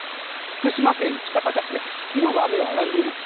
福島県喜多方市です